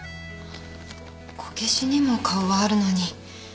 こけしにも顔はあるのに。